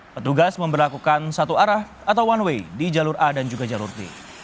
petugas memperlakukan satu arah atau one way di jalur a dan juga jalur d